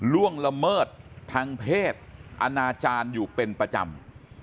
ล่วงละเมิดทางเพศอนาจารย์อยู่เป็นประจำ